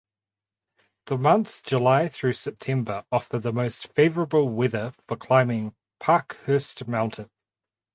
The months July through September offer the most favorable weather for climbing Parkhurst Mountain.